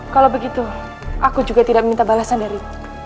kalau begitu aku juga tidak minta balasan dari